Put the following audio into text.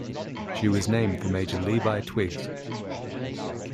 She was named for Major Levi Twiggs.